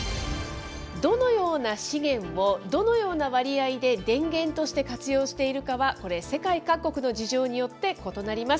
どのような資源をどのような割合で電源として活用しているかは、これ、世界各国の事情によって異なります。